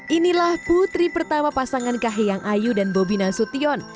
inilah putri pertama pasangan kahiyang ayu dan bobi nasution